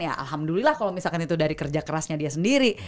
ya alhamdulillah kalau misalkan itu dari kerja kerasnya dia sendiri